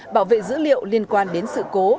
bảo vệ dữ liệu liên quan đến sự cố